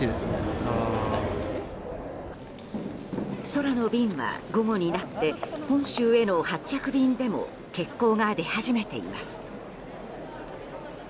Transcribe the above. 空の便は午後になって本州への発着便でも欠航が出始めています。